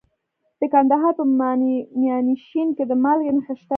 د کندهار په میانشین کې د مالګې نښې شته.